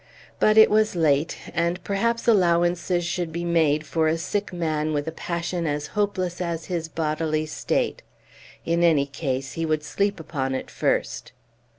But it was late; and perhaps allowances should be made for a sick man with a passion as hopeless as his bodily state; in any case he would sleep upon it first.